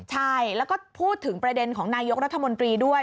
ใช่แล้วก็พูดถึงประเด็นของนายกรัฐมนตรีด้วย